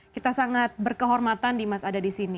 kita sangat berkehormatan dimas ada di sini